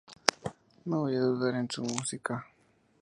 No voy a dudar de su música.